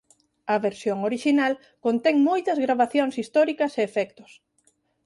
A versión orixinal contén moitas gravacións históricas e efectos.